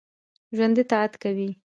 ژوندي طاعت کوي